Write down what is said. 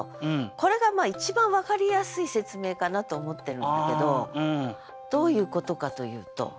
これが一番分かりやすい説明かなと思ってるんだけどどういうことかというと。